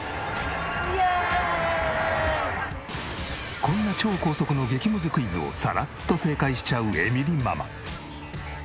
こんな超高速の激ムズクイズをさらっと正解しちゃうエミリママ。